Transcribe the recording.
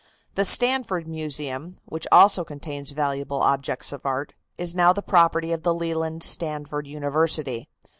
The Stanford Museum, which also contains valuable objects of art, is now the property of the Leland Stanford University.